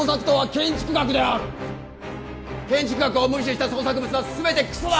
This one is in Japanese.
建築学を無視した創作物は全てクソだ！